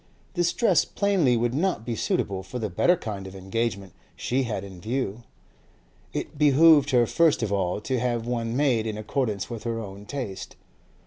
This dress plainly would not be suitable for the better kind of engagement she had in view; it behoved her first of all to have one made in accordance with her own taste.